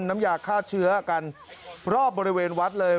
น้ำยาฆ่าเชื้อกันรอบบริเวณวัดเลย